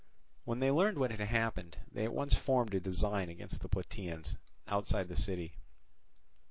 When they learned what had happened, they at once formed a design against the Plataeans outside the city.